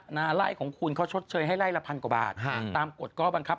นาไล่ของคุณเขาชดเชยให้ไล่ละพันกว่าบาทตามกฎข้อบังคับ